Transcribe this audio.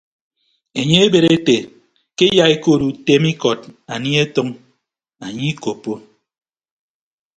Enye ebed ete ke eyaikood utem ikọd anie atʌñ anye ikoppo.